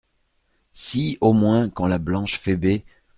Si, au moins, quand la blanche Phoebé…